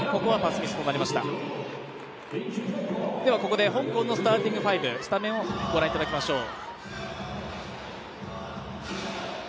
ここで香港のスターティング５をご覧いただきましょう。